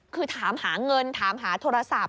คือถามหาเงินถามหาโทรศัพท์